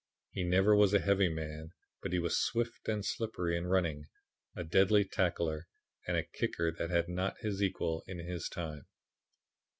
He never was a heavy man, but he was swift and slippery in running, a deadly tackler, and a kicker that had not his equal in his time.